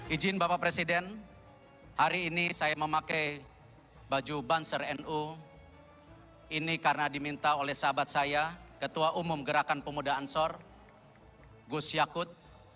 ijin bapak presiden hari ini saya memakai baju banser nu ini karena diminta oleh sahabat saya ketua umum gerakan pemuda ansor gus yakut